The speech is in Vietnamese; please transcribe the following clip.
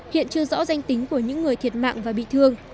hiện chưa rõ danh tính của những người thiệt mạng và bị thương